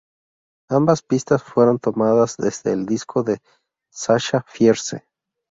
Ambas pistas fueron tomadas desde el disco de Sasha Fierce.